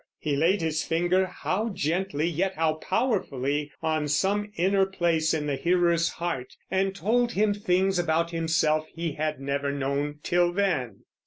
He laid his finger how gently yet how powerfully on some inner place in the hearer's heart, and told him things about himself he had never known till then.